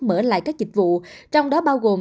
mở lại các dịch vụ trong đó bao gồm